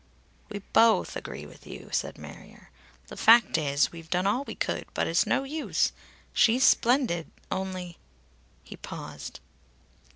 "We baoth agree with you," said Marrier. "The fact is, we've done all we could, but it's no use. She's splendid; only " He paused.